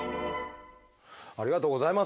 ありがとうございます。